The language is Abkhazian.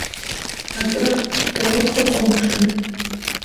Акрыф, сара усыхәамԥшын.